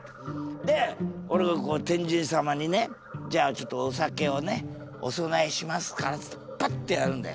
でおれがこう天神様にねじゃあちょっとお酒をねお供えしますかっつってパッてやるんだよ。